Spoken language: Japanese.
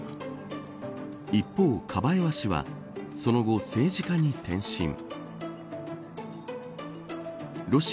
一方、カバエワ氏はその後政治家に転身。